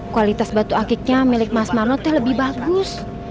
kualitas batu akiknya milik mas marmo te lebih bagus